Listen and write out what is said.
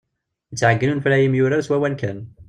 Ittɛeggin unefray imyurar s wawal kan.